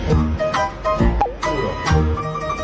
อีก